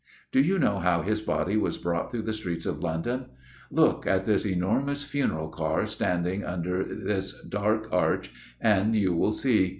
Do you know how his body was brought through the streets of London? Look at this enormous funeral car standing under this dark arch, and you will see.